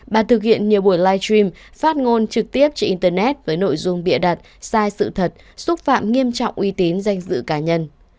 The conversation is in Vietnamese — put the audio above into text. bà thực hiện nhiều buổi live stream phát ngôn trực tiếp trên internet với nội dung bịa đặt sai sự thật xúc phạm nghiêm trọng uy tín danh dự cá nhân